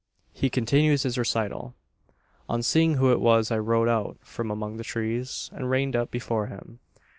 He continues his recital: "On seeing who it was, I rode out from among the trees, and reined up before him.